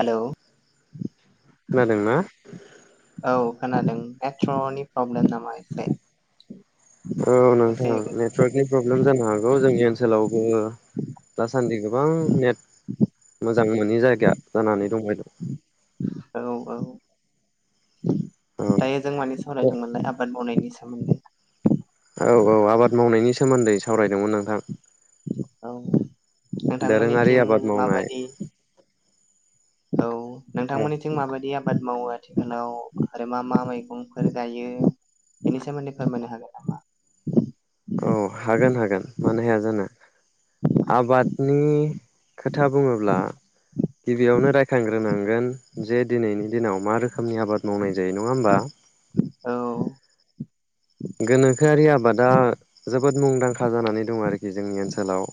हेल' खोनादोंना औ खोनादों नेट्र'नि प्रब्लेम नामा एसे औ एसे नोंथां नेट्र'गनि प्रब्लेम जानो हागौ जोंनि ओनसोलावबो दासान्दि गोबां नेट मोजां मोनो नि जायगा जानानै जङबाय दं औ औ औ दायो जों मानि सावरायदोंमोनलाय आबाद मावनायनि सायाव [inaudible] औ औ आबाद मावनायनि सोमोन्दै सावरायदोंमोन नोंथां औ दोरोङारि नोंथांमोननिथिं आबाद मावनाय माबायदि औ नोंथांमोननिथिं माबायदि आबा आबाद मावो आथिखालाव आरो मा मा मैगंफोर गायो बेनि सोमोन्दै फोरमायनो हागोन नामा? औ हागोन हागोन गोन मानो हाया जानो आबातनि खोथा बुङोब्ला गिबियावनो रायखांग्रोनांगोन जे दिनैनि दिनाव मा रोखोमनि आबाद मावनाय जायो नङा होमबा औ गोनोखोआरि आबादा जोबोद मुंदांखा जानानै दं आरोखि जोंनि ओनसोलाव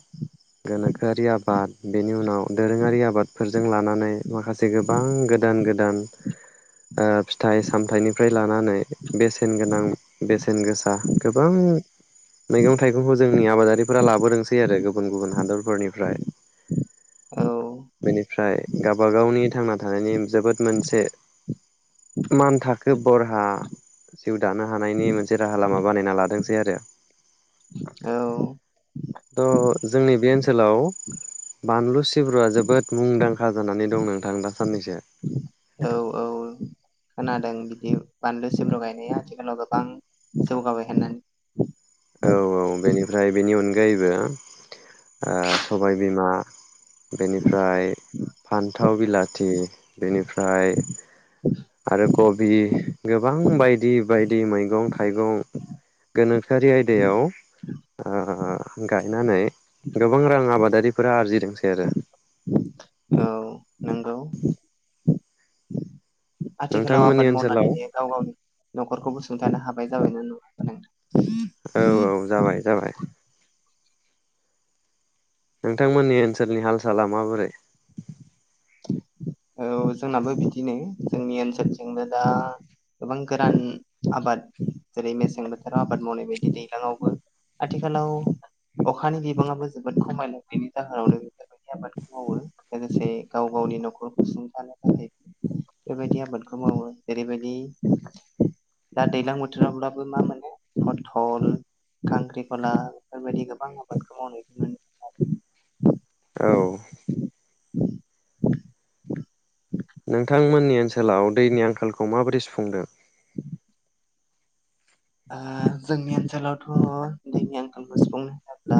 गोनोखोआरि आबाद बेनि उनाव दोरोङारि आबादफोरजों लानानै माखासे गोबां गोदान गोदान ओ फिथाइ सामथाइनिफ्राय लानानै बेसेन गोनां बेसेन गोसा गोबां मैगं थाइगंखौ जोंनि आबादारिफोरा लाबोदोंसै आरो गुबुन गुबुन हादरफोरनिफ्राय औ बेनिफ्राय गबागावनि थांना थानायनि जोबोद मोनसे मान थाखो बरहा जिउ दानो हा हानायनि मोनसे राहा लामा बानायना लादोंसै आरो औ थ जोंनि बे ओनसोलाव बानलु सिब्रुआ जोबोद मुंदांखा जानानै दं नोंथां दा साननैसो औ औ खोनादों बिदि बानलु सिबरु गायनाया आथिखालाव गोबां जौगाबाय होननानै औ औ बेनिफ्राय बेनि अनग गायैबो ओ सबायबिमा बेनिफ्राय फान्थाव बिलाथि बेनिफ्राय आरो कबि गोबां बायदि बायदि मैगं थाइगं गोनोख खोआरि आयदायाव ओ गायनानै गोबां रां आबादारिफोरा आरजिदोंसै आरो औ नोंगौ आथिखालाव नोंथांमोननि आबाद ओनसोलाव मावनानैनो गाव गावनि न'खरखौ गसुंथानो हाबाय जाबायना नु नोंथ औ औ जाबाय जाबाय नोंथांमोननि ओनसोलनि हाल साला माबोरै औ जोंनाबो बिदिनो जोंनि ओनसोलथिंबोदा गोबां गोरान आबाद जेरै मेसें बोथोराव आबाद मावनाय बायदि दैजलांआवबो आथिखालाव अखानि बिबाङाबो जोबोद खमायल बेनि जाहोनावनो बेफोरबायदि आबादखौ मावो लोगोसे गाव गावनि न'खर सुंथानो थाखाय बेबायदि आबादखौ मावो जेरैबायदि दा दैज्लां बोथोरावब्लाबो मा मोनो पथल खांख्रिफला बेफोरबायदि गोबां आबादखौ मावनाय मोनो आरो औ [inaudible] [inaudible] नोंथांमोननि ओ सोलाव दैनि आंखालखौ माबोरै सुफुंदों? ओ जोंनि ओनसोलावथ' दैनि आंखालखौ सुफुंनो होनोब्ला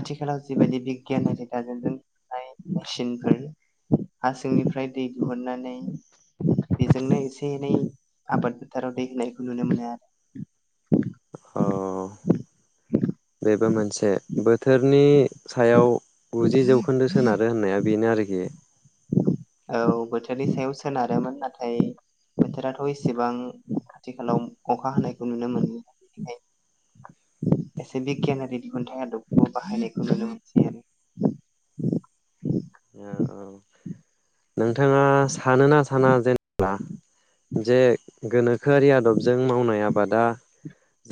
आथिखालाव जिबायदि बिगियान आरि दाजेमजोंनाय मिचिनफोर हा सिंनिफ्राय दै दिहुननानै बेजोंनो एसे एनै आबाद फोथाराव दै होनायखौ नुनो मोनो [inaudible] अ बेबो मोनसे बोथोरनि सायाव गुजि जौखोन्दो सोनारो होननाया बेनो आरो गे औ बोथोरनि सायाव सोनारोमोन नाथाय बोथोराथ' एसेबां आथिखालाव अखा हानायखौ नुनो मोनि बेनिखाय एसे बिगियानारि दिहुनथाइ आदबखौ बाहायनायखौ जों नुनो मोनसै आरो। नोंथाङा सानो ना साना जेने बा जे गोनोख खोआरि आदबजों मावनाय आब बादा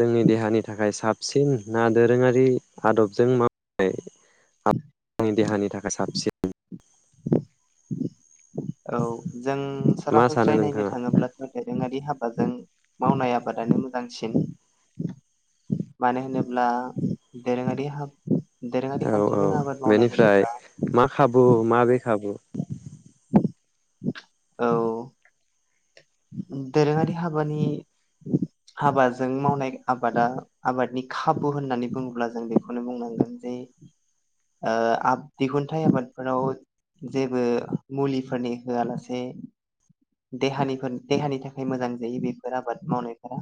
जोंनि देहानि थाखाय साब सिन ना दोरोङारि आदबजों मावनाय आ आंनि देहानि थाखाय साबसि [inaudible] औ जों मा सानो सरासनस्रायै नायनो नोंथाङा थाङोब्लाथ' दोरोङारि हाब बाजों मावनाय आबादानो मोजांसिन मानो होनोब्ला दोरोङारि हब औ दोरोङारि औ खान्थिजों आबाद मावनाय बेनिफ्राय होनोब्ला मा बेखाबु? औ। दोरोङारि हाबानि हाबाजों मावनाय आबादा आबादनि खाबु होननानै बुङोब्ला जों बेखौनो बुंनांगोन जे ओ दिहुनथाइ आबादफोराव जेबो मुलिफोरनि होआलासे देहानिफोथ देहानि थाखाय मोजां जायो बेफोर आबाद मावनायफोरा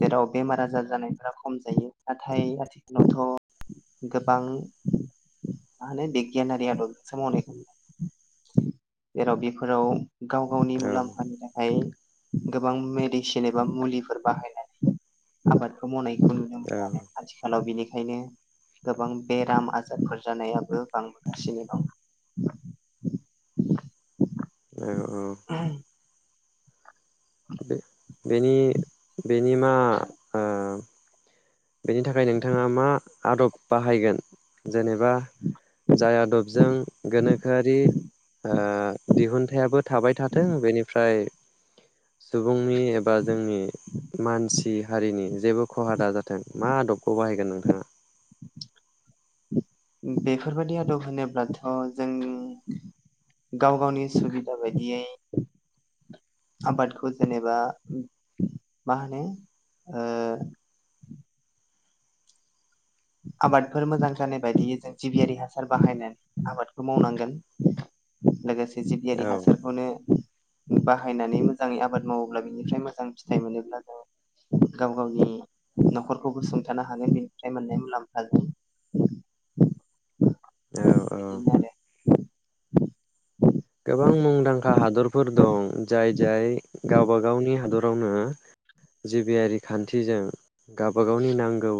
जेराव बेमार आजार जानायफोरा खम जायो नाथाय आथिखालावथ' गोबां मा होनो बिगियानारि आदबसो मावनायखौ नु जेराव बेफोराव गाव गावनि औ मुलाम्फानि थाखाय गोबां मेडिसिन एबा मुलिफोर बाहायनानै आबादखौ मावनाय औ खायनो गोबां बेराम आजारफोर जानायाबो बांबोगासिनो दं। [inaudible] औ औ [unintelligible] बे-बेनि बेनि मा ओ बेनि थाखाय नोंथाङा मा आदब बाहायगोन जेनेबा जाय आदबजों गोनोखोआरि ओ दिहुनथायाइाबो थाबाय थाथों बेनिफ्राय सुबुं नि एबा जोंनि मानसि हारिनि जेबो खहा दाजाथो मा आदबखौ हाय गोन नोंथाङा बेफोरबायदि आदब होनोब्लाथ' जों गाव गावनि सुबिदा बायदियै आबादखौ जेनेबा मा होनो ओ आबादफोर मोजां जानाय बायदियै जों जिबियारि हासार बाहायनानै आबादखौ मावनांगोन लोगोसे जिबियारि औ हासारखौनो बाहायनानै मोजाङै आबाद मावोब्ला बेनिफ्राय मोजां फिथाइ मोनोब्ला जों गाव गावनि न'खरखौबो सुंथानो हागोन बेनिफ्राय मोननाय लाफाजों औ औ [unintelligible] गोबां मुंदांखा हादरफोर दं जाय जाय गावबा गावनि हादरावनो जिबियारि खान्थिजों गावबा गावनि नांगौ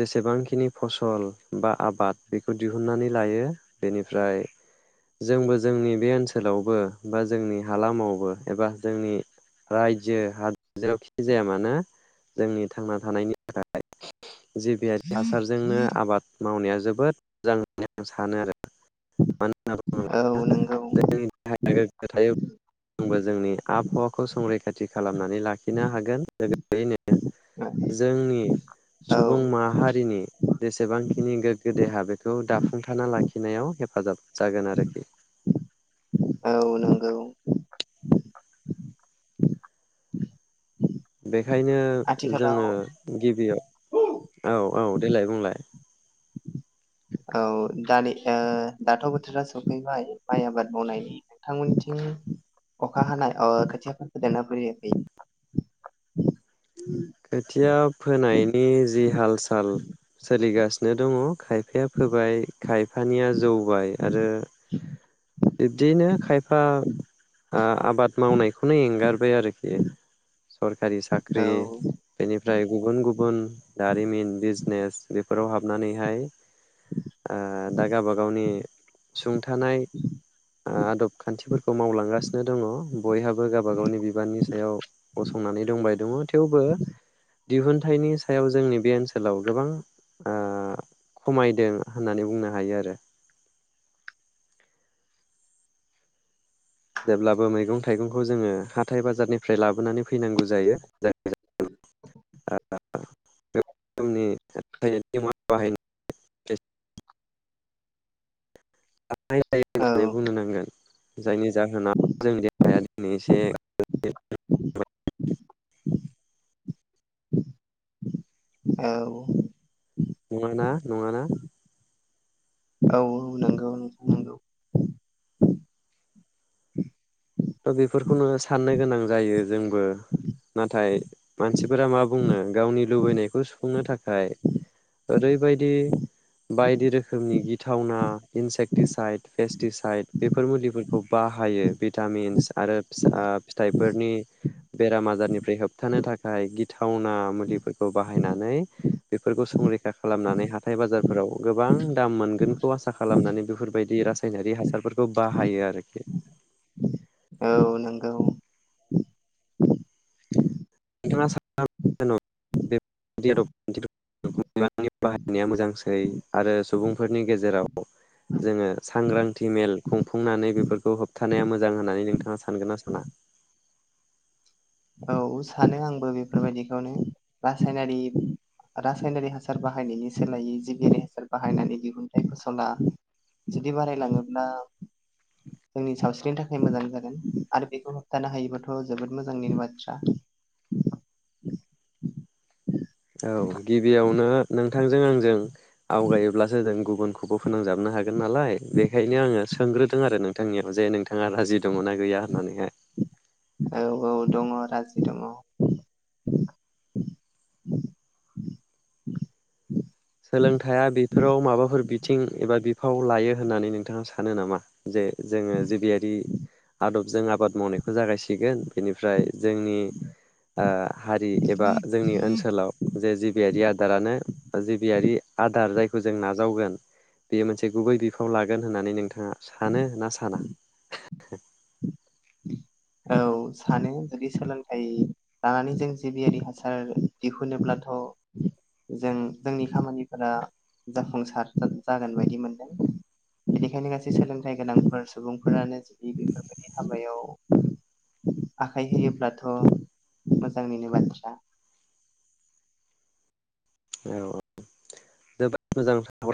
जेसेबांखिनि फसल बा आबाद बेखौ दिहुननानै लायो बेनिफ्राय जोंबो जोंनि बे ओनसोलावबो बा जोंनि हालामावबो एबा जोंनि रायजो हाद जेरावखि जाया मानो जोंनि थांना थानायनि थाखाय जिबियारि हासारजोंनो आबाद मावनाया जो जोबोद [unintelligible] आरो औ नंगौ [unintelligible] बो जोंनि आबहावाखौ संरैखाथि खालामनानै लाखिनो हागोन लोगोसेयैनो जोंनि औ सुबुं माहारिनि जेसेबांखिनि गोग्गो देहा बेखौ दाफुंथाना लाखिनायाव हेफाजाब जागोन आरोखि औ नंगौ बे खायनो आथिखालाव जोङो गिबियाव औ औ देलाय बुंलाय औ दानि ओ दाथ' बोथोरा सफैबाय माइ आबाद मावनायनि नोंथांमोननिथिं अखा हानाय ओ खोथियाफोर फोदोंना फोयाखै खोथिया फोनायनि जि हाल साल सोलिगासि नो दङ खाय खोथिया फोबाय खायफानिया जौबाय आरो बिब्दियैनो खायफा आ आबाद मावनायखौनो एंगारबाय आरोखि सरखारि साख्रि औ बेनिफ्राय गुबुन गुबुन दारिमिन बिजनेस बेफोर फोराव हाबनानैहाय ओ दा गावबा गावनि सोंथ थानाय आदब खान्थिफोरखौ मावलांगासिनो दङ बयहाबो गावबा गावनि बिबाननि सायाव गसंनानै दंबाय दङ थेवबो दिहुनथाइनि सायाव जोंनि बे ओनसोलाव गोबां ओ खमायदों होननानै बुंनो हायो आरो। जेब्लाबो मैगं थाइगंखौ जोङो हाथाय बाजारनिफ्राय लाबोनानै फैनांगौ जायो [unintelligible] बायो होननानै बुंनो नांगोन जायनि जाहोनाव जोंनि देहाया दिनै एसे औ नंङा ना नङा ना औ औ नंगौ नोंगौ नंगौ त' बेफोरखौनो साननो गोनां जायो जोंबो नाथाय मानसिफोरा मा बुंनो गावनि लुबैनायखौ सुफुंनो थाखाय ओरैबायदि बायदि रोखोमनि गि गिथावना इनसेक्टिसाइद फेस्टिसाइद बेफोर मुलिफोरखौ बाहायो बिटामिन आरो फिथाइफोरनि बेराम आजारनिफ्राय होबथानो थाखाय गिथाव थावना मुलिफोरखौ बाहा बाहायनानै बेफोरखौ संरैखा खालामनानै हाथाय बाजारफोराव गोबां दाम मोनगोनखौ आसा खालामनानै बेफोरबायदि रासायनारि हासारफोरखौ बाहायो आरोखि। औ नोंगौ। नोंथाङा [unintelligible] बेफोर [unintelligible] जेराव [unintelligible] बाहायनाया मोजांसै आरो सुबुंफोरनि गेजेराव जोङो सांग्रांथि मेल खुंफुंनानै बेफोरखौ होबथानाया मोजां होननानै नोंथाङा सानगोन ना साना? औ सानो आंबो बेफोरबायदिखौनो रासायनारि रासायनारि हासार बाहायनायनि सोलायै जिबियारि हासार बाहायनानै दिहुनथाइ फसला जुदि बारायलाङोब्ला जोंनि सावस्रिनि थाखाय मोजां जागोन। आरो बेखौ होबथानो हायोबथ' जोबोद मोजांनि बा थ्रा। औ गिबियावनो नोंथांजों आंजों आवगायोब्लासो जों गुबुनखौबो फोनांजाबनो हागोन नालाय बेखायनो आङो सोंग्रोदों आरो नोंथांनियाव जे नोंथाङा राजि दङ'ना गैया होननानैहाय। औ औ दङ' राजि दङ'। सोलोंथाइया बेफोराव माबाफोर बिथिं एबा बिफाव लायो होननानै नोंथाङा सानो नामा? जे जोङो जिबियारि आदबजों आबाद मावनायखौ जागायसिगोन बेनिफ्राय जोंनि ओ हारि एबा जोंनि ओनसोलाव जे जिबियारि दारानो जि बियारि आदार जायखौ जों नाजावगोन बेयो मोनसे गुबै बिफाव लागोन होननानै नोंथाङा सानो ना साना? औ सानो जुदि सोलोंथाइ लानानै जों जिबियारि हासार दिहुनोब्लाथ' जों जोंनि खामानिफोरा जाफुंसार जागोन बायदि मोनदों। बेनिखायनो गासै सोलोंथाइ गोनांफोर सुबुंफोरानो जुदि बेफोरबायदि हाबायाव आखाइ होयोब्लाथ' मोजांनिनो बाथ्रा। औ जोबोद मोजां [unintelligible]